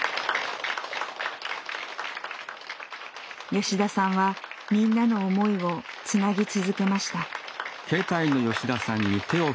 吉田さんはみんなの思いをつなぎ続けました。